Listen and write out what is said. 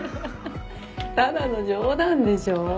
ただの冗談でしょ。